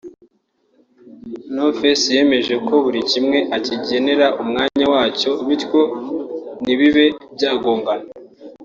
No Face yemeje ko buri kimwe akigenera umwanya wacyo bityo ntibibe byagongana